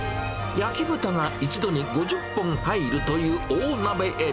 焼き豚が一度に５０本入るという大鍋へ。